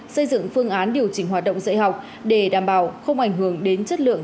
xây dựng phương án điều chỉnh hoạt động dạy học để đảm bảo không ảnh hưởng đến chất lượng